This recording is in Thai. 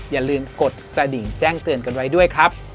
อย่าลืมกดกระดิ่งแจ้งเตือนกันไว้ด้วยครับ